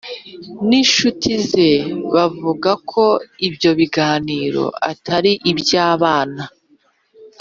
n’inshuti ze bavuga ko ibyo biganiro atari iby’abana,